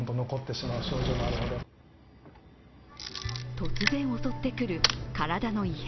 突然襲ってくる体の異変。